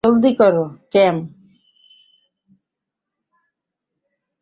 জলদি করো, ক্যাম।